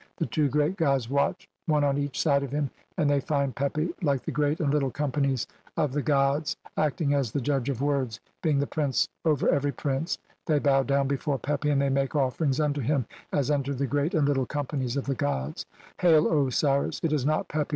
The two great "gods watch one on each side of him and they find "Pepi, like the Great and Little Companies of the "gods acting as the judge of words, being the prince "[over] every prince. They bow down before Pepi, "and they make offerings unto him as unto the Great "and Little Companies of the gods." (315) "Hail, Osiris, it is not Pepi who entreateth to CXLIV INTRODUCTION.